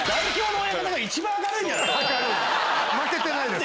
負けてないです。